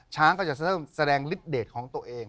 ช้างก็จะแสดงลิตเดทของตัวเอง